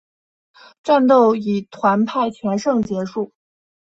战斗以团派全胜结束。